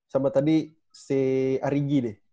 sama tadi si arigi deh